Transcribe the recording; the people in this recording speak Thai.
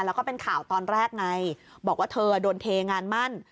แล้วก็เป็นข่าวตอนแรกไงบอกว่าเธอโดนเทงานมั่น